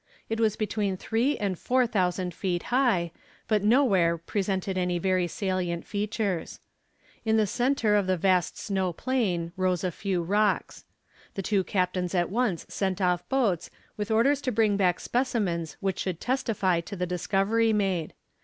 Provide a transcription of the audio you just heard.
It was between three and four thousand feet high, but nowhere presented any very salient features. In the centre of the vast snow plain rose a few rocks. The two captains at once sent off boats with orders to bring back specimens which should testify to the discovery made.